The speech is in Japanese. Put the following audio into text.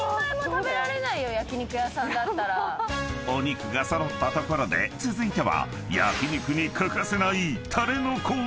［お肉が揃ったところで続いては焼肉に欠かせない］